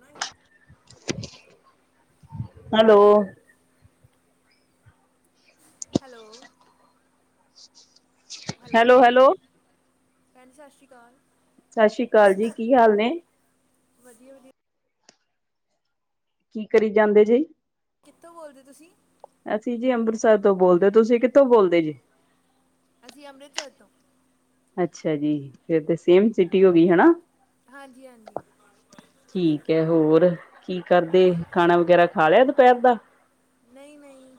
ਨਹੀਂ hello hello hello, ਭੈਣ ਸਸ਼ੀ ਕਾਲ। ਸਾਸ਼ੀ ਕਾਲ ਜੀ ਕੀ ਹਾਲ ਨੇ? ਵਧੀਆ-ਵਧੀਆ। ਕੀ ਕਰੀ ਜਾਂਦੇ ਜੇ? ਕਿੱਥੋਂ ਬੋਲਦੇ ਤੁਸੀਂ? ਅਸੀਂ ਜੀ ਅੰਮ੍ਰਿਤਸਰ ਤੋਂ ਬੋਲਦੇ ਤੁਸੀਂ ਕਿੱਥੋਂ ਬੋਲਦੇ ਜੇ? ਅਸੀਂ ਅੰਮ੍ਰਿਤਸਰ ਤੋਂ। ਅੱਛਾ ਜੀ, ਫਿਰ ਤੇ ਸੇਮ ਸਿਟੀ ਹੋਗੀ ਹੈਨਾ। ਹਾਂਜੀ-ਹਾਂਜੀ। ਠੀਕ ਐ, ਹੋਰ ਕੀ ਕਰਦੇ, ਖਾਣਾ ਵਗੈਰਾ ਖਾ ਲਿਆ ਦੁਪਹਿਰ ਦਾ। ਨਹੀਂ-ਨਹੀਂ।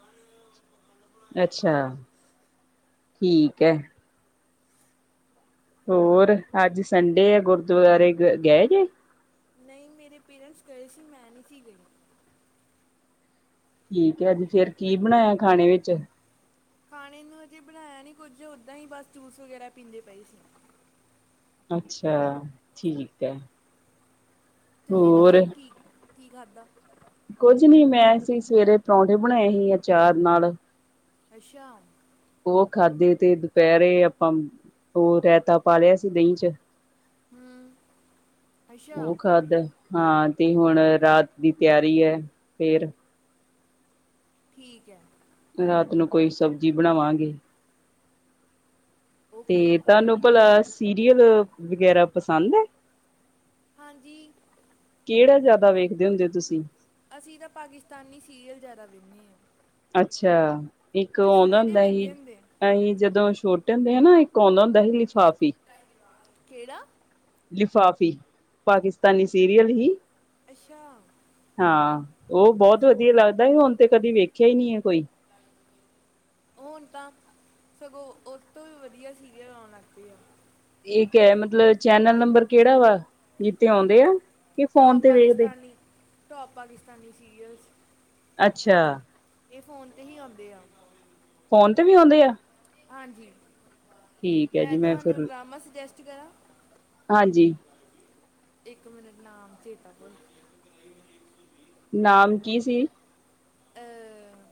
ਅੱਛਾ, ਠੀਕ ਐ। ਹੋਰ ਅੱਜ ਸੰਡੇ ਆ, ਗੁਰਦੁਆਰੇ ਗ ਗਏ ਜੇ? ਨਹੀਂ ਮੇਰੇ ਪੇਰੈਂਟਸ ਗਏ ਸੀ, ਮੈਂ ਨਹੀਂ ਸੀ ਗਈ। ਠੀਕ ਐ, ਅੱਜ ਫੇਰ ਕੀ ਬਣਾਇਆ ਖਾਣੇ ਵਿੱਚ? ਖਾਣੇ ਨੂੰ ਅਜੇ ਬਣਾਇਆ ਨੀ ਕੁੱਝ, ਓਦਾਂ ਈ ਬਸ ਜੂਸ ਵਗੈਰਾ ਪੀਂਦੇ ਪਏ ਸੀ। ਅੱਛਾ, ਠੀਕ ਐ। ਤੁਸੀਂ ਦੱਸੋ ਕੀ-ਕੀ ਖਾਧਾ? ਕੁੱਝ ਨੀ, ਮੈਂ ਅਸੀਂ ਸਵੇਰੇ ਪਰੌਂਠੇ ਬਣਾਏ ਹੀ ਅਚਾਰ ਨਾਲ ਅਛਾਮ। ਉਹ ਖਾਧੇ ਤੇ ਦੁਪਹਿਰੇ ਆਪਾਂ, ਉਹ ਰੈਤਾ ਪਾ ਲਿਆ ਸੀ ਦਹੀਂ 'ਚ। ਹੂੰ। ਅੱਛਾ ਉਹ ਖਾਧਾ ਹਾਂ ਤੇ ਹੁਣ ਰਾਤ ਦੀ ਤਿਆਰੀ ਐ ਫੇਰ। ਠੀਕ ਐ। ਰਾਤ ਨੂੰ ਕੋਈ ਸਬਜ਼ੀ ਬਣਾਵਾਂਗੇ। ਓਕੇ ਤੇ ਤੁਹਾਨੂੰ ਭਲਾ, ਸੀਰੀਅਲ ਵਗੈਰਾ ਪਸੰਦ ਐ। ਹਾਂਜੀ। ਕਿਹੜਾ ਜ਼ਿਆਦਾ ਵੇਖਦੇ ਹੁੰਦੇ ਤੁਸੀਂ? ਅਸੀਂ ਤਾਂ ਪਾਕਿਸਤਾਨੀ ਸੀਰੀਅਲ ਜ਼ਿਆਦਾ ਵੇਨ੍ਹੇ ਆ। ਅੱਛਾ, ਇੱਕ ਓ ਆਉਂਦਾ ਕਿਹੜੇ ਹੁੰਦਾ ਹੀ ਵੇਖਦੇ ਹੁੰਦੇ ਅਹੀਂ ਜਦੋਂ ਛੋਟੇ ਹੁੰਦੇ ਹਾਂ ਨਾ, ਇੱਕ ਆਉਂਦਾ ਹੁੰਦਾ ਹੀ ਲਿਫਾਫੀ। ਕਿਹੜਾ? ਲਿਫਾਫ਼ੀ, ਪਾਕਿਸਤਾਨੀ ਸੀਰੀਅਲ ਹੀ ਅੱਛਾ। ਹਾਂ, ਉਹ ਬਹੁਤ ਵਧੀਆ ਲੱਗਦਾ ਹੀ, ਹੁਣ ਤੇ ਕਦੀ ਵੇਖਿਆ ਈ ਨੀ ਐ ਕੋਈ। [inaudible] ਹੁਣ ਤਾਂ ਸਗੋਂ, ਉਹ ਤੋਂ ਵੀ ਵਧੀਆ ਸੀਰੀਅਲ ਆਉਣ ਲੱਗਪੇ ਆ। ਇਹ ਕੈ ਮਤਲਬ, ਚੈਨਲ ਨੰਬਰ ਕਿਹੜਾ ਵਾ, ਜੀਤੇ ਆਉਂਦੇ ਆ, ਕਿ ਫੋਨ ਤੇ ਵੇਖਦੇ। ਟੋਪ ਪਾਕਿਸਤਾਨੀ ਸੀਰੀਅਲਸ ਅੱਛਾ। ਇਹ ਫ਼ੋਨ ਤੇ ਹੀ ਆਉਂਦੇ ਆ। ਫੋਨ ਤੇ ਵੀ ਆਉਂਦੇ ਆ? ਹਾਂਜੀ, ਠੀਕ ਹੈ ਜੀ ਮੈਂ ਤੁਹਾਨੂੰ ਫਿਰ ਡਰਾਮਾ ਸੁਜੈਸਟ ਕਰਾਂ। ਹਾਂਜੀ। ਇੱਕ ਮਿੰਟ ਨਾਮ ਚੇਤਾ ਭੁੱਲ ਨਾਮ ਕੀ ਸੀ? ਅਹ,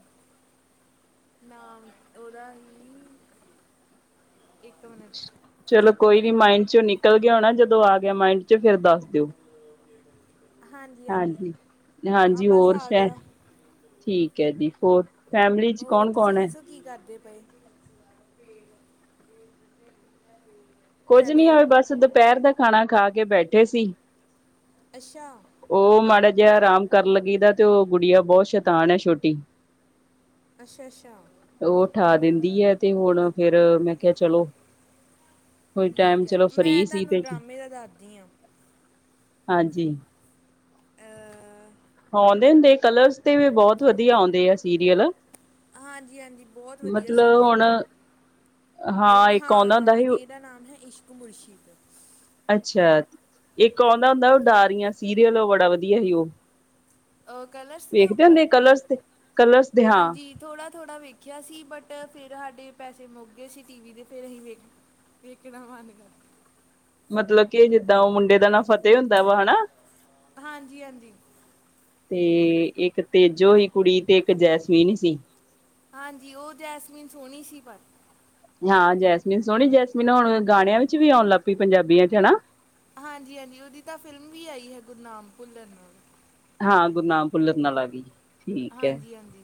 ਨਾਮ ਉਹਦਾ ਹੀ ਇੱਕ ਮਿੰਟ ਚਲੋ ਚੇਤਾ ਕੋਈ ਨੀ, ਕਰਨ ਦੋ ਮਾਇੰਡ 'ਚੋਂ ਨਿਕਲ ਗਿਆ ਹੋਣਾ ਜਦੋਂ ਆ ਗਿਆ ਮਾਇੰਡ 'ਚ, ਫਿਰ ਦੱਸ ਦਿਓ। ਹਾਂਜੀ-ਹਾਂਜੀ, ਹਾਂਜੀ ਆ ਹਾਂਜੀ ਬਸ ਹੋਰ ਆ ਫ ਗਿਆ। ਠੀਕ ਹੈ ਜੀ ਹੋਰ ਫੈਮਿਲੀ ਚ ਹੋਰ ਕੌਣ ਤੁਸੀਂ ਕੌਣ ਹੈ ਦੱਸੋ ਕੀ ਕਰਦੇ ਪਏ? [inaudible] ਕੁੱਝ ਨੀ ਹੋਵੇ ਬਸ ਦੁਪੇਰ ਦਾ ਖਾਣਾ ਖਾ ਕੇ ਬੈਠੇ ਸੀ। ਅੱਛਾ। ਉਹ ਮਾੜਾ ਜਿਹਾ ਆਰਾਮ ਕਰਨ ਲੱਗੀ ਦਾ ਤੇ ਓ ਗੁੜੀਆ ਬੋਤ ਸ਼ੈਤਾਨ ਛੋਟੀ ਆਸ਼ਾ-ਆਸ਼ਾ। ਉਹ ਉਠਾ ਦਿੰਦੀ ਏ ਤੇ ਹੁਣ ਫੇਰ ਮੈਂ ਕਿਹਾ ਚਲੋ ਕੋਈ ਟੇਮ ਠੀਕ ਹੈ ਚਲੋ ਮੈਂ ਫਰੀ ਸੀ ਤੁਹਾਨੂੰ ਤੇ ਡਰਾਮੇ ਦਾ ਦੱਸਦੀ ਹਾਂ ਹਾਂਜੀ। ਅਅਅ ਆਉਂਦੇ ਹੁੰਦੇ ਕਲਰਸ ਤੇ ਵੀ ਬੋਤ ਵਧੀਆ ਆਉਂਦੇ ਆ ਸੀਰੀਅਲ। ਹਾਂਜੀ-ਹਾਂਜੀ ਬੋਤ ਵਧੀਆ ਮਤਲਬ ਸੀਰੀਅਲ ਹੁਣ ਨੇ। ਉਹ ਨਾ ਇੱਕ ਹਾਂ ਆਉਂਦਾ ਹੁੰਦਾ ਸੀ ਇਹਦਾ ਨਾਮ ਏ ਇਸ਼ਕੂ ਮੁਰਸ਼ਿਦ ਅੱਛਾ ਏਕ ਆਉਂਦਾ ਹੁੰਦਾ ਉਡਾਰੀਆਂ ਸੀਰੀਅਲ ਉਹ ਬੜਾ ਵਧੀਆ ਸੀ ਉਹ ਕਲਰਸ ਦੇ ਵੇਖਦੇ ਉੱਪਰ ਹੁੰਦੇ ਕਲਰਸ ਤੇ ਕਲਰਸ ਦੇ ਹਾਂ। ਥੋੜਾ-ਥੋੜ੍ਹਾ ਵੇਖਿਆ ਸੀ ਬਟ ਫਿਰ ਆਡੇ ਪੈਸੇ ਮੁੱਕ ਗਏ ਸੀ ਟੀ ਵੀ ਦੇ ਫਿਰ ਅਸੀਂ ਵੇਖ ਵੇਖਣਾ ਮਨ ਕਰਦਾ। ਮਤਲਬ ਕਿ ਜਿੱਦਾਂ ਓਹ ਮੁੰਡੇ ਦਾ ਨਾ ਫਤਿਹ ਹੁੰਦਾ ਵਾ ਹਨਾ। ਹਾਂਜੀ-ਹਾਂਜੀ। ਤੇ ਏਕ ਤੇਜੋ ਹੀ ਕੁੜੀ ਤੇ ਏਕ ਜੈਸਮੀਨ ਸੀ। ਹਾਂਜੀ ਓਹ ਜੈਸਮੀਨ ਸੋਹਣੀ ਸੀ ਪਰ। ਹਾਂ ਜੈਸਮੀਨ ਸੋਹਣੀ, ਜੈਸਮੀਨ ਹੁਣ ਗਾਣਿਆਂ ਵਿੱਚ ਵੀ ਆਉਣ ਲੱਗ ਪਈ ਪੰਜਾਬੀਆਂ ਚ ਹਨਾ। ਹਾਂਜੀ-ਹਾਂਜੀ ਓਦੀ ਤਾਂ ਫਿਲਮ ਵੀ ਆਈ ਹੈ ਗੁਰਨਾਮ ਭੁੱਲਣ ਨਾਲ। ਹਾਂ ਗੁਰੂਨਾਮ ਪੁੱਲਤ ਨਾਲ ਆਖੀ। ਹਾਂਜੀ-ਹਾਂਜੀ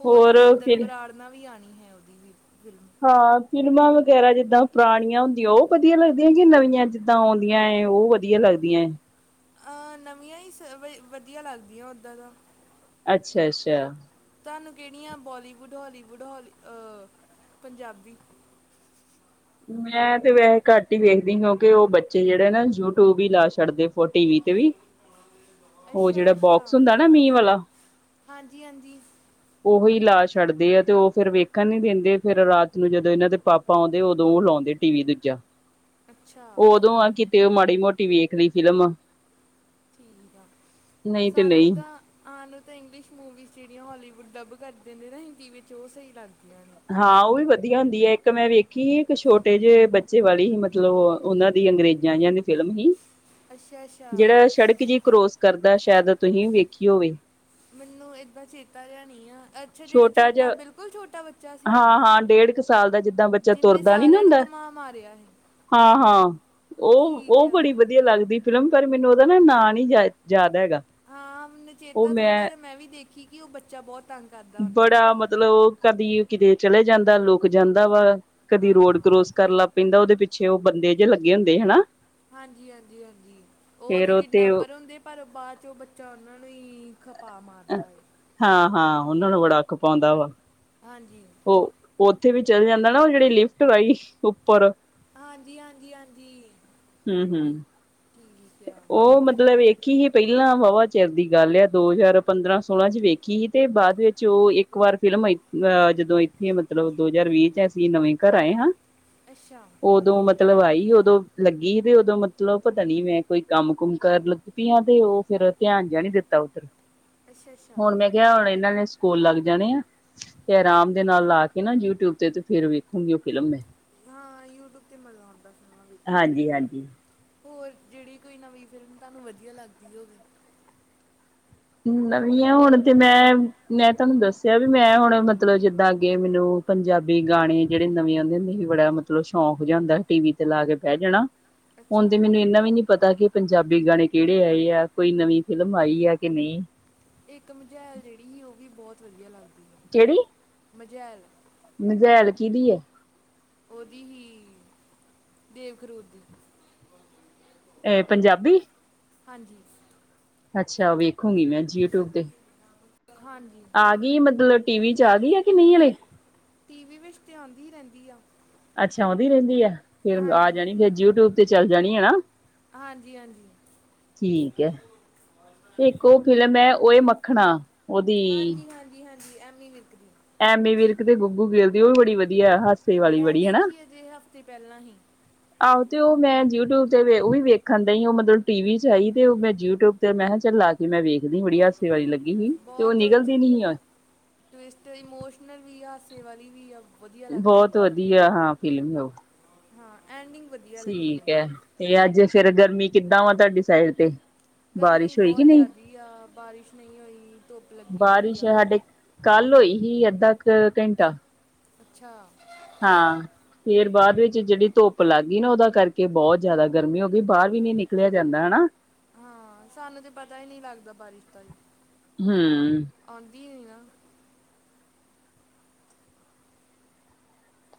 ਹੋਰ ਵਰਿੰਦਰ ਬਰਾੜ ਨਾਲ ਵੀ ਆਣੀ ਹੈ ਓਦੀ ਵੀ ਫਿਲਮ। ਹਾਂ ਫ਼ਿਲਮਾਂ ਵਗੈਰਾ ਜਿੱਦਾਂ ਪੁਰਾਣੀਆਂ ਹੁੰਦੀਆਂ ਓ ਵਧੀਆ ਲੱਗਦੀਆਂ ਕਿ ਨਵੀਆਂ ਜਿੱ ਦਾ ਆਉਂਦੀਆਂ ਏ, ਉਹ ਵਧੀਆ ਲੱਗਦੀਆਂ ਏ। ਹਾਂ ਨਵੀਆਂ ਈ ਸ ਵ ਵਧੀਆ ਲੱਗਦੀਆਂ ਓਦਾ ਦਾ। ਅੱਛਾ-ਅੱਛਾ। ਤਾਨੂੰ ਕੇੜੀਆਂ ਬੋਲੀਵੁੱਡ, ਹੋਲੀਵੁੱਡ ਹੋਲੀ, ਪੰਜਾਬੀ ਮੈਂ ਤੇ ਵੈਸੇ ਘੱਟ ਹੀ ਵੇਖਦੀ ਕਿਉਂਕਿ ਉਹ ਬੱਚੇ ਜੇੜੇ ਨਾ ਯੂਟਿਊਬ ਹੀ ਲਾ ਛੱਡਦੇ ਓ ਟੀ ਵੀ ਤੇ ਵੀ ਓ ਅੱਛਾ ਜੇੜਾ ਬੋਕਸ ਹੁੰਦਾ ਨਾ ਮੀਂਹ ਵਾਲਾ ਹਾਂਜੀ-ਹਾਂਜੀ। ਓਹੀ ਲਾ ਛੱਡਦੇ ਆ ਤੇ ਉਹ ਫਿਰ ਵੇਖਣ ਨੀ ਦਿੰਦੇ ਫਿਰ ਰਾਤ ਨੂੰ ਜਦੋਂ ਇਹਨਾਂ ਦੇ ਪਾਪ ਪਾ ਆਉਂਦੇ ਉਦੋਂ ਲਾਉਂਦੇ ਟੀ ਵੀ ਦੂਜਾ। ਅੱਛਾ ਓਦੋਂ ਆ ਕਿਤੇ ਉਹ ਮਾੜੀ-ਮੋਟੀ ਵੇਖਦੀ ਫਿਲਮ ਠੀਕ ਆ, ਨਹੀਂ ਤੇ ਸਾਨੂੰ ਨਹੀਂ ਤਾਂ ਆਹ ਨੂੰ ਤਾਂ ਇੰਗਲਿਸ਼ ਮੂਵੀਜ਼ ਜੇੜੀਆਂ ਹੋਲੀਵੁੱਡ ਡੱਬ ਕਰਦੇ ਨੇ ਨਾ ਹਿੰਦੀ ਵਿੱਚ ਓ ਸਹੀ ਲੱਗਦੀਆਂ ਨੇ। ਹਾਂ ਉਹ ਵੀ ਵਧੀਆ ਹੁੰਦੀ ਏ, ਏਕ ਮੈਂ ਵੇਖੀ ਏਕ ਛੋਟੇ ਜਿਹੇ ਬੱਚੇ ਵਾਲੀ ਹੀ ਮਤਲਬ ਉਹਨਾਂ ਦੀ ਅੰਗਰੇਜ਼ਾਂ ਦੀ ਫਿਲਮ ਹੀ ਅੱਛਾ ਅੱਛਾ ਜੇੜਾ ਸੜਕ ਜੀ ਕਰੋਸ ਕਰਦਾ ਸ਼ਾਇਦ ਤੁਹੀ ਵੀ ਵੇਖੀ ਹੋਵੇ। ਮੈਨੂੰ ਏਦਾਂ ਚੇਤਾ ਜਾਹਾ ਨਹੀਂ ਆ। ਅੱਛਾ ਜੇੜਾ ਛੋਟਾ ਬਿਲਕੁਲ ਛੋਟਾ ਬੱਚਾ ਸੀ ਹਾਂ ਹਾਂ ਡੇਢ ਕੁ ਸਾਲ ਦਾ ਜਿੱਦਾਂ ਬੱਚਾ ਜਿੰਨੇ ਸਾਰਿਆਂ ਨੂੰ ਘੁਮਾ ਮਾਰ ਢਈਆ ਸੀ। ਹਾਂ-ਹਾਂ, ਠੀਕ ਉਹ-ਉਹ ਆ ਬੜੀ ਵਧੀਆ ਲੱਗਦੀ ਫਿਲਮ ਪਰ ਮੈਨੂੰ ਉਹਦਾ ਨਾ ਨੀ ਯਾ ਜਾਯ ਹੈਗਾ। ਹਾਂ ਨਚੇਤਾ ਥੋੜਾ ਜਿਹਾ ਮੈਂ ਵੀ ਦੇਖੀ ਕਿ ਉਹ ਬੱਚਾ ਬੋਤ ਬੜਾ ਮਤਲਬ ਓ ਕਦੀ ਕਿਤੇ ਚਲੇ ਜਾਂਦਾ ਲੋਕ ਜਾਂਦਾ ਵਾ ਕਦੀ ਰੋਡ ਹਾਂ ਕਰੋਸ ਕਰਨ ਲੱਗ ਪੈਂਦਾ ਉਹਦੇ ਪਿੱਛੇ ਉਹ ਬੰਦੇ ਜੇ ਲੱਗੇ ਹੁੰਦੇ ਹਨਾ। ਹਾਂਜੀ ਹਾਂਜੀ ਹਾਂਜੀ ਉਹ ਫੇਰ ਤਾਂ ਤੇ ਕਿਡਨੈਪਰ ਹੁੰਦੇ ਪਰ ਬਾਅਦ 'ਚ ਉਹ ਬੱਚਾ ਉਹਨਾਂ ਨੂੰ ਹੀ ਖਪਾ ਮਾਰਦਾ ਏ। ਹਾਂ-ਹਾਂ ਉਹਨਾਂ ਨੂੰ ਵੜਾ ਖਪਾਉਂਦਾ ਵਾ। ਹਾਂਜੀ ਉਹ, ਉੱਥੇ ਵੀ ਚਲੇ ਜਾਂਦਾ ਨਾ ਉਹ ਜਿਹੜੀ ਲਿਫਟ ਆਾਈ ਉੱਪਰ। ਹਾਂਜੀ ਹਾਂਜੀ ਹਾਂਜੀ। ਹੂੰ-ਹੂੰ। ਕੀ ਰੀਤ ਆ। ਉਹ ਮਤਲਬ ਵੇਖੀ ਹੀ ਪਹਿਲਾਂ ਵਾਵਾ ਚਿਰ ਦੀ ਗੱਲ ਆ ਦੋ ਹਜ਼ਾਰ ਪੰਦਰਾਂ ਸੋਲਾਂ 'ਚ ਵੇ- ਖੀ ਸੀ ਤੇ ਬਾਅਦ ਵਿੱਚ ਉਹ ਇੱਕ ਵਾਰ ਫਿਲਮ ਅਹ ਜਦੋਂ ਇੱਥੇ ਮਤਲਬ ਦੋ ਹਜ਼ਾਰ ਵੀਹ ਚ- ਅਸੀਂ ਨਵੇਂ ਘਰ ਆਏ ਹਾਂ। ਅੱਛਾ ਉਦੋਂ ਮਤਲਬ ਆਈ ਉਦੋਂ ਲੱਗੀ ਸੀ ਤੇ ਉਦੋਂ ਮਤਲਬ ਪਤਾ ਨੀ ਮੈਂ ਕੋਈ ਕੰਮ-ਕੁਮ ਕਰਨ ਲੱਗ ਪੀ ਆ ਤੇ ਓਹ ਫੇਰ ਧਿਆਨ ਜਾ ਨੀ ਦਿੱਤਾ ਓਧਰ। ਅੱਛਾ-ਅੱਛਾ। ਕੇਆ ਹੁਣ ਇਨਾਂ ਨੇ ਸਕੂਲ ਲੱਗ ਜਾਣੇ ਆ। ਤੇ ਅਰਾਮ ਦੇ ਨਾਲ ਲਾ ਕੇ ਨਾ ਯੂਟਿਊਬ ਤੇ ਤੇ ਫੇਰ ਵੇਖੂਗੀ ਓਹ ਫਿਲਮ ਮੈਂ। ਹਾਂ ਯੂਟਿਊਬ ਤੇ ਮਜ਼ਾ ਆਉਂਦਾ ਫਿਲਮਾ ਵੇਖਣ ਦਾ। ਹਾਂਜੀ-ਹਾਂਜੀ। ਹੋਰ ਜਿਹੜੀ ਕੋਈ ਨਵੀਂ ਫਿਲਮ ਤਾਨੂੰ ਵਧੀਆ ਲੱਗਦੀ ਹੋਵੇ। ਨਵੀਂਆ ਹੁਣ ਤੇ ਮੈਂ, ਮੈਂ ਤਾਨੂੰ ਦੱਸਿਆ ਬੀ ਮੈਂ ਹੁਣ ਮਤਲਬ ਜਿੱਦਾਂ ਅੱਗੇ ਮੈਨੂੰ ਪੰਜਾਬੀ ਗਾਣੇ ਜੇੜੇ ਨਵੇਂ ਆ ਦੇ ਨਹੀਂ ਵੜਾ ਮਤਲਬ ਸ਼ੌਕ ਜਾ ਹੂੰਦੈ ਟੀ ਵੀ ਤੇ ਲਾ ਕੇ ਬਹਿ ਜਾਣਾ। ਹੁਣ ਅੱਛਾ ਤੇ ਮੈਨੂੰ ਇਨਾ ਵੀ ਨੀ ਪਤਾ ਕਿ ਪੰਜਾਬੀ ਗਾਣੇ ਕਿਹੜੇ ਆਏ ਐ ਕੋਈ ਨਵੀਂ ਫਿਲਮ ਆਈ ਐ। ਕਿ ਨੀ। ਇੱਕ ਮਝੈਲ ਜਿਹੜੀ ਸੀ ਉਹ ਵੀ ਬਹੁਤ ਵਧੀਆ ਲੱਗਦੀ ਐ। ਕਿਹੜੀ? ਮਝੈਲ। ਮਝੈਲ ਕੀਦੀ ਐ? ਉਹਦੀ ਹੀ, ਦੇਵਖਰੂਰ ਦੀ। ਐ ਪੰਜਾਬੀ? ਹਾਂਜੀ। ਅੱਛਾ ਵੇਖੂਗੀ ਮੈਂ ਜੀਟਿਊਬ ਤੇ। ਹਾਂਜੀ। ਆ ਗਈ ਮਤਲਬ ਟੀ ਵੀ ਚ ਆ ਗਈ ਆ ਕਿ ਨਹੀਂ ਹਲੇ ਟੀ ਵੀ ਵਿੱਚ ਤੇ ਆਂਦੀ ਈ ਰੈੰਦੀ ਆ। ਅੱਛਾ ਔੰਦੀ ਰੈੰਦੀ ਐ, ਫੇਰ ਆ ਹਾਂਜੀ ਜਾਣੀ ਫੇ ਯੂਟਊਬ ਤੇ ਚੱਲ ਜਾਣੀ ਏ ਨਾ। ਹਾਂਜੀ-ਹਾਂਜੀ। ਠੀਕ ਐ। ਇੱਕ ਉਹ ਫਿਲਮ ਏ ਓਏ ਮੱਖਣਾ। ਉਹਦੀ ਹਾਂਜੀ ਹਾਂਜੀ ਹਾਂਜੀ ਐਮੀ ਵਿਰਕ ਦੀ। ਐਮੀ ਵਿਰਕ ਤੇ ਗੱਗੂ ਗਿੱਲ ਦੀ ਉਹ ਵੀ ਬੜੀ ਵਧੀਆ ਹਸ ਮੈਂ ਦੇਖੀ ਹਜੇ ਹਫ਼ਤੇ ਪਹਿਲਾਂ ਹੀ। ਆਹੋ ਤੇ ਉਹ ਮੈਂ ਯੂਟਊਬ ਤੇ ਵੇ ਉਹ ਵੀ ਵੇਖਣ ਦਹੀ ਉਹ ਮਤਲਬ ਟੀ ਵੀ ਚ ਆਈ ਤੇ ਮੈ ਯੂਟਊਬ ਤੇ ਮੈਂ ਖੈ ਚਲ ਲਾ ਮੈਂ ਵੇਖਦੀ ਬੜੀ ਹਾਸੇ ਵਾਲੀ ਲੱਗੀ ਹੀ, ਤੇ ਉਹ ਬਹੁਤ ਉੱਚ ਨਿਕਲਦੀ ਨੀ ਹੀ ਅੱਜ। ਟਵਿਸਟ ਇਮੋਸ਼ਨਲ ਵੀ ਆ ਹਾਸੇ ਵਾਲੀ ਵੀ ਆ। ਵਧੀਆ ਲੱਗਦੀ ਬਹੁਤ ਆ ਵਧੀਆ ਹਾਂ ਫਿਲਮ ਉਹ। ਹਾਂ ਐਂਡਿੰਗ ਵਧੀ ਠੀਕ ਹੈ, ਤੇ ਅੱਜ ਫੇਰ ਗਰਮੀ ਕਿੱਦਾਂ ਵਾ ਤਾਡੀ ਸਾਈਡ ਤੇ? ਗਰਮੀ ਬਾਰਿਸ਼ ਹੋਈ ਕਿ ਬੌਤ ਨਹੀਂ ਜਾਦੀ ਆ, ਬਾਰਿਸ਼ ਨਹੀਂ ਹੋਈ, ਧੁੱਪ ਲੱਗੀ ਪਈ ਬਾਰਿਸ਼ ਆ। ਸਾਡੇ ਕੱਲ ਹੋਈ ਹੀ ਅੱਧਾ ਕ ਘੈੰਟਾ। ਅੱਛਾ। ਹਾਂ। ਫੇਰ ਬਾਦ ਵਿੱਚ ਜੇੜੀ ਧੁੱਪ ਲੱਗ ਗੀ ਨਾ ਓਦਾ ਕਰਕੇ ਬੌਤ ਜੈਦਾ ਗਰਮੀ ਹੋ ਗਈ ਬਾਰ ਵੀ ਨੀ ਨਿਕਲਿਆ ਜਾਂਦਾ, ਹੈਨਾ। ਹਾਂ, ਸਾਨੂੰ ਤੇ ਪਤਾ ਹੀ ਨੀ ਲੱਗਦਾ ਬਾਰਿਸ਼ ਦਾ ਵੀ। ਹੂੰ। ਔੰਦੀ ਹੁਈ ਨਾ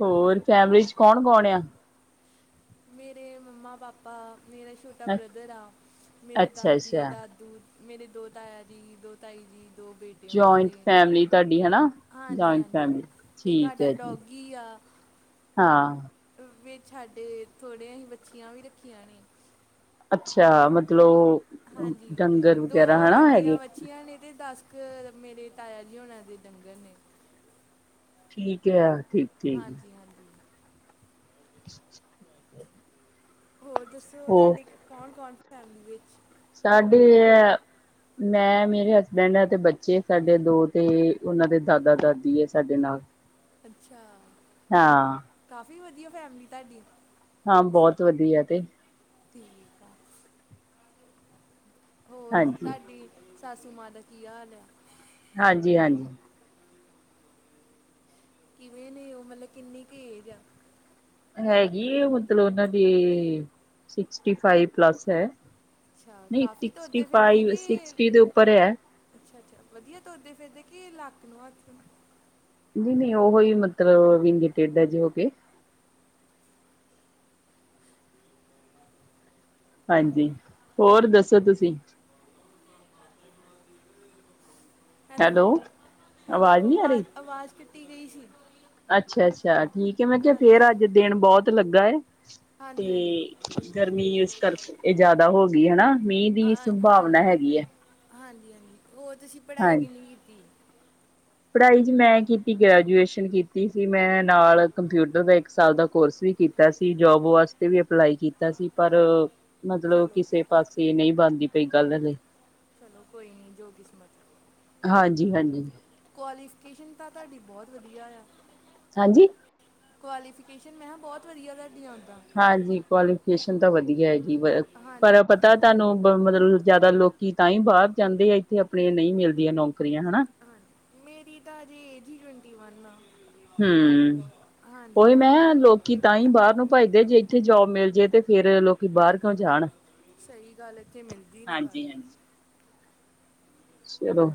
ਹੋਰ, ਫੈਮਿਲੀ ਚ ਕੌਣ ਕੌਣ ਆ? ਮੇਰੇ ਮੰਮਾ-ਪਾਪਾ, ਮੇਰਾ ਛੋਟਾ ਬ੍ਰਦਰ ਆ, ਮੇਰੇ ਅੱਛਾ ਅੱਛਾ ਦਾਦੀ-ਦਾਦੂ ਮੇਰੇ ਦੋ ਤਾਇਆ ਜੀ ਦੋ ਤਾਈ ਜੀ ਦੋ ਬੇਟੇ ਓਨਾਂ ਜੁਆਇੰਟ ਦੇ। ਫੈਮਿਲੀ ਤੁਹਾਡੀ ਹਨਾ ਹਾਂਜੀ, ਜੁਆਇੰਟ ਹਾਂਜੀ। ਫੈਮਿਲੀ ਇਕ ਠੀਕ ਹਾਡਾ ਹੈ ਜੀ ਡੋਗੀ ਆ। ਹਾਂ। ਵਿੱਚ ਹਾਡੇ ਥੋੜ੍ਹੀਆਂ ਆਹੀ ਵੱਛੀਆਂ ਵੀ ਰੱਖੀਆਂ ਨੇ। ਅੱਛਾ, ਮਤਲਬ ਓ ਹਾਂਜੀ, ਦੋ ਹਾਡੀਆਂ ਵੱਛੀਆਂ ਨੇ ਤੇ ਦੱਸ ਕ ਮੇਰੇ ਤਾਇਆ ਜੀ ਹੋਣਾ ਦੇ ਡੰਗਰ ਨੇ। ਠੀਕ ਆ ਠੀ ਹਾਂਜੀ-ਹਾਂਜੀ। [inaudible] ਹੋਰ ਦੱਸੋ ਹੋਰ ਤੁਹਾਡੇ ਕੌਣ-ਕੌਣ ਫੈਮਿਲੀ ਵਿੱਚ? ਸਾਡੇ ਐ ਮੈਂ, ਮੇਰੇ ਹਸਬੈਂਡ ਐ 'ਤੇ ਬੱਚੇ ਸਾਡੇ ਦੋ 'ਤੇ ਉਹਨਾਂ ਦੇ ਦਾਦਾ ਦਾਦੀ ਏ ਸਾਡੇ ਨਾਲ। ਅੱਛਾ! ਹਾਂ। ਕਾਫੀ ਵਧੀਆ ਫੈਮਿਲੀ ਤਾਡੀ। ਹਾਂ ਬਹੋਤ ਵਧੀਆ ਤੇ। ਠੀਕ ਆ। ਹੋਰ ਹਾਂਜੀ ਤੁਹਾਡੀ ਸਾਸੂ ਮਾਂ ਦਾ ਕੀ ਹਾਲ ਆ? ਹਾਂਜੀ-ਹਾਂਜੀ। ਕਿਵੇਂ ਨੇ ਉਹ ਮਤਲਬ ਕਿੰਨੀ ਕ ਏਜ ਆ? ਹੈਗੀ ਏ ਮਤਲਬ ਉਹਨਾਂ ਦੀ ਸਿਕਸਟੀ ਫਾਈਵ ਪਲੱਸ ਐ। ਅੱਛਾ ਨਈ ਕਾਫੀ ਸਿਕਸਟੀ ਤੁਰਦੇ ਫਾਈਵ ਸਿਕਸਟੀ ਦੇ ਉੱਪਰ ਐ। ਅੱਛਾ-ਅੱਛਾ ਵਧੀਆ ਤੁਰਦੇ ਫਿਰਦੇ ਕੇ ਲੱਕ ਨੂੰ ਹੱਥ ਨੀ ਨਈ ਉਹ ਈ ਮਤਲਬ ਵਿੰਗੇ ਟੇਡਾ ਜ਼ ਹੋ ਕੇ। ਹਾਂਜੀ, ਹੋਰ ਦੱਸੋ ਤੁਸੀਂ? ਹੈਲੋ, ਆਵਾਜ਼ ਹੈਲੋ ਨਹੀਂ ਵਾਜ਼ ਆਵਾਜ਼ ਕੱਟੀ ਗਈ ਸੀ। ਅੱਛਾ-ਅੱਛਾ ਠੀਕ ਐ, ਮੈਂ ਕਿਹਾ ਹਾਂਜੀ ਫੇਰ ਅੱਜ ਦਿਨ ਬਹੁਤ ਲੱਗਾ ਐ। ਹਾਂਜੀ ਹਾਂਜੀ 'ਤੇ ਗਰਮੀ ਇਸ ਕਰ ਇਹ ਜ਼ਿਆਦਾ ਹੋ ਗਈ ਹਨਾ। ਮੀਂਹ ਦੀ ਸੰਭਾਵਨਾ ਹੈਗੀ ਐ। ਹਾਂਜੀ-ਹਾਂਜੀ ਹੋਰ ਤੁਸੀਂ ਪੜ੍ਹਾਈ ਕਿੰਨੀ ਕੀਤੀ? ਪੜ੍ਹਾਈ ਜੀ ਮੈਂ ਕੀਤੀ, ਗ੍ਰੈਜੂਏਸ਼ਨ ਕੀਤੀ ਸੀ ਮੈਂ ਨਾਲ ਕੰਪਿਊਟਰ ਦਾ ਇੱਕ ਸਾਲ ਦਾ ਕੋਰਸ ਵੀ ਕੀ ਤਾ ਸੀ ਜੋਬ ਵਾਸਤੇ ਵੀ ਅਪਲਾਈ ਕੀਤਾ ਸੀ ਪਰ ਮਤਲਬ ਚਲੋ ਕਿਸੇ ਪਾਸੇ ਨਈਂ ਬਣਦੀ ਪਈ ਗੱਲ ਹਲੇ। ਚਲੋ ਕੋਈ ਨੀ ਜੋ ਕਿਸਮਤ। ਹਾਂਜੀ, ਹਾਂਜੀ। ਕੁਆਲੀਫਿਕੇਸ਼ਨ ਤਾਂ ਤਾਹਡੀ ਬਹੁਤ ਵਧੀਆ ਆ। ਹਾਂਜੀ। ਕੁਆਲੀਫਿਕੇਸ਼ਨ ਮੈਂ ਹਾਂ ਬਹੁਤ ਵਧੀਆ ਤਾਹਡੀ ਉਹ ਦਾ। ਹਾਂਜੀ, ਕੁਆਲੀਫਿਕੇਸ਼ਨ ਤਾਂ ਵਧੀਆ ਹੈਗੀ ਪ ਹਾਂਜੀ ਪਰ ਹਾਂਜੀ ਤਾਂ ਤੁਹਾਨੂੰ ਬ ਮਤਲਬ ਜਿਆਦਾ ਲੋਕੀ ਤਾਂਈ ਬਾਹਰ ਜਾਂਦੇ ਆ ਇੱਥੇ ਆਪਣੇ ਨਈ ਮਿਲਦੀਆਂ ਨੌਕਰੀਆਂ ਹਨਾ। ਹਾਂਜੀ ਮੇਰੀ ਤਾਂ ਹਜੇ ਏਜ ਈ ਟਵੰਟੀ ਵਨ ਆ, ਹਮ ਉਹੀ ਹਾਂਜੀ। ਮੈਂ ਲੋਕੀ ਤਾਂ ਈ ਬਾਹਰ ਨੂੰ ਭੱਜਦੇ ਜੇ ਇੱਥੇ ਜੋਬ ਮਿਲ ਜੇ 'ਤੇ ਫੇਰ ਲੋ ਲੋਕੀ ਬਾਹਰ ਕਿਉ ਜਾਣ, ਸਹੀ ਗੱਲ ਇੱਥੇ ਮਿਲਦੀ ਨਹੀਂ ਪਰ ਹਾਂਜੀ, ਹਾਂਜੀ। ਚਲੋ,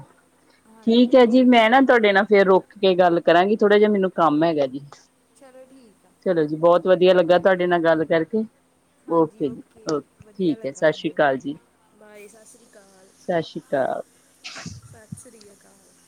ਹਾਂਜੀ ਠੀਕ ਹੈ ਜੀ ਮੈਂ ਨਾ ਤੁਹਾਡੇ ਨਾਲ ਫੇਰ ਰੁਕ ਕੇ ਗੱਲ ਕਰਾਂਗੀ ਥੋੜਾ ਜਿਹਾ ਮੈਨੂੰ ਕੰਮ ਹੈਗਾ ਜੀ। ਚਲੋ ਠੀਕ ਆ। ਚਲੋ ਜੀ, ਬਹੁਤ ਵਧੀਆ ਲੱਗਾ ਤੁਹਾਡੇ ਨਾਲ ਗੱਲ ਕਰਕੇ। ਹਾਂਜੀ, ਜੀ ਓਕੇ ਵਧੀਆ ਠੀਕ ਹੈ ਲੱਗਾ ਸਤਿ ਸ਼੍ਰੀ ਮੈਨੂੰ ਅਕਾਲ ਜੀ। ਵੀ। ਬਾਏ ਸਤਿ ਸ੍ਰੀ ਅਕਾਲ, ਸਤਿ ਸ਼੍ਰੀ ਅਕਾਲ। ਸਤਿ ਸ਼੍ਰੀ ਅਕਾਲ।